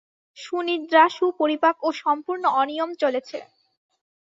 সুনিদ্রা, সুপরিপাক ও সম্পূর্ণ অনিয়ম চলেছে।